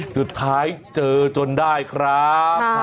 สุดท้ายเจอจนได้ครับ